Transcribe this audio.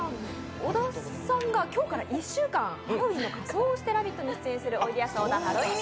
小田さんが今日から１週間仮装をして「ラヴィット！」に出演するおいでやす小田ハロウィーン